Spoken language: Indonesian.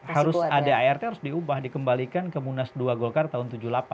harus adart harus diubah dikembalikan ke munas ii golkar tahun seribu sembilan ratus tujuh puluh delapan